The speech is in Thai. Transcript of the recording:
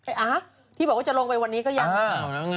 เอ๊ะที่บอกว่าจะลงไปวันนี้ก็ยัง